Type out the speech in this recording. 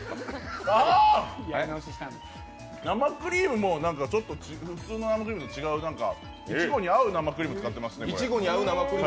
生クリームもちょっと普通の生クリームと違ういちごに合う生クリーム使ってますね。